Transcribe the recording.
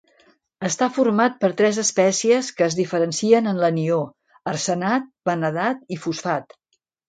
Està format per tres espècies que es diferencien en l'anió: arsenat, vanadat i fosfat.